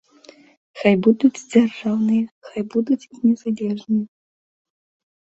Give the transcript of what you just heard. Хай будуць дзяржаўныя, хай будуць і незалежныя.